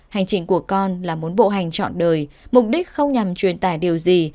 hành trình của con là muốn bộ hành trọn đời mục đích không nhằm truyền tải điều gì